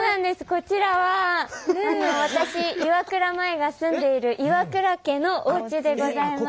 こちらは私岩倉舞が住んでいる岩倉家のおうちでございます。